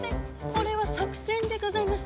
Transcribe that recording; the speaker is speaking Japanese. これは作戦でございまして。